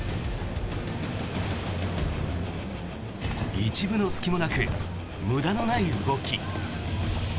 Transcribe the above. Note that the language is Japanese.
一分の隙もなく無駄のない動き。